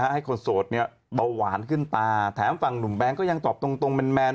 ให้คนโสดเนี่ยเบาหวานขึ้นตาแถมฝั่งหนุ่มแบงค์ก็ยังตอบตรงแมน